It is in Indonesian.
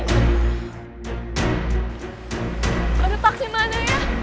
kenapa pengen lagi selalu disini